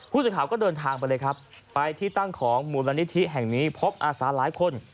ผู้สื่อข่าวก็เดินทางไปเลยครับไปที่ตั้งของมูลนิธิแห่งนี้พบอาสาหลายคน